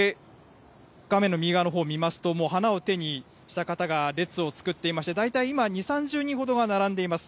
画面の右側のほう見ますと、花を手にした方が列を作っていまして、大体今、２、３０人ほどが並んでいます。